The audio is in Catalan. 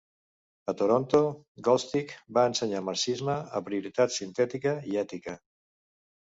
A Toronto, Goldstick va ensenyar marxisme, aprioritat sintètica i ètica.